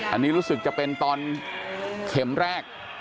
อันนี้รู้สึกจะเป็นตอนเข็มแรก